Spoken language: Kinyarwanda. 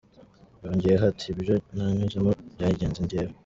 Yongeyeho ati "Ibyo nanyuzemo byangize njyewe.